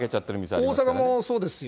大阪もそうですよ。